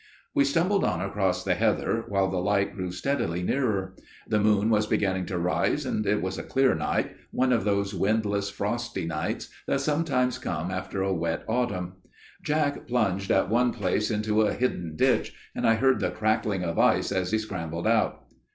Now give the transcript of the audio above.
"We stumbled on across the heather, while the light grew steadily nearer. The moon was beginning to rise, and it was a clear night, one of those windless, frosty nights that sometimes come after a wet autumn. Jack plunged at one place into a hidden ditch, and I heard the crackling of ice as he scrambled out.